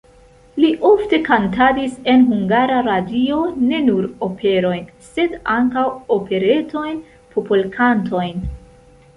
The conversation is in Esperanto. Li ofte kantadis en Hungara Radio ne nur operojn, sed ankaŭ operetojn, popolkantojn.